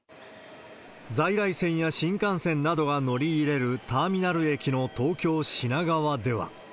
在来線や新幹線などが乗り入れるターミナル駅の東京・品川では。